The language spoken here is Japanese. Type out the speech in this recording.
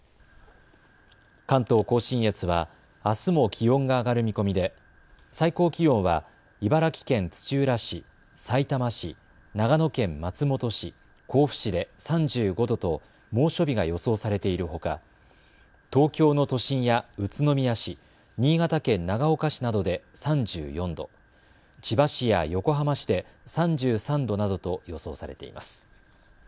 関東甲信越はあすも気温が上がる見込みで最高気温は茨城県土浦市、さいたま市、長野県松本市、甲府市で３５度と猛暑日が予想されているほか、東京の都心や宇都宮市、新潟県長岡市などで３４度、千葉市や横浜市で３３度などと予想されています。